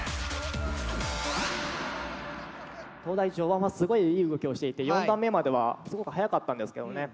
東大序盤はすごいいい動きをしていて４段目まではすごく速かったんですけどね